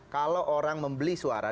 kalau orang membeli suara